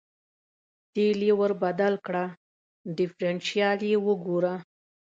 تېل یې ور بدل کړه، ډېفرېنشیال یې وګوره.